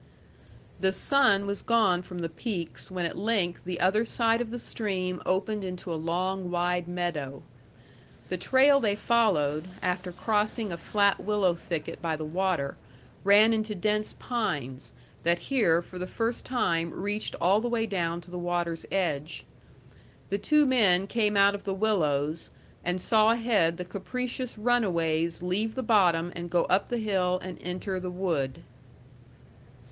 The sun was gone from the peaks when at length the other side of the stream opened into a long wide meadow. The trail they followed, after crossing a flat willow thicket by the water, ran into dense pines, that here for the first time reached all the way down to the water's edge. The two men came out of the willows, and saw ahead the capricious runaways leave the bottom and go up the hill and enter the wood.